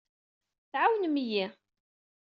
Tɛawnem-iyi.